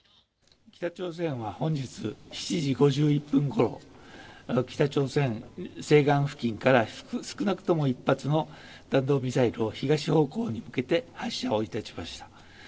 北朝鮮は本日７時５１分ごろ、北朝鮮、西岸付近から少なくとも１発の弾道ミサイルを東方向に向けて発射をいたしました。